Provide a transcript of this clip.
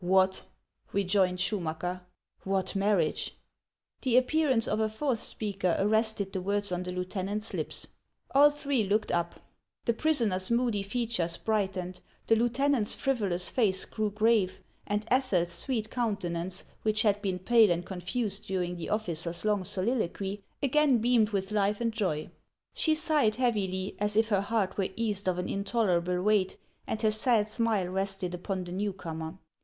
" What !" rejoined Schumacker ;" what marriage ?" The appearance of a fourth speaker arrested the words on the lieutenant's lips. All three looked up. The prisoner's moody features brightened, the lieutenant's frivolous face grew grave, and HANS OF ICELAND. 103 Ethel's sweet countenance, which had been pale and con fused during the officer's long soliloquy, again beamed with life and joy. She sighed heavily, as if her heart were eased of an intolerable weight, and her sad smile rested upon the new comer.